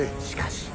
しかし。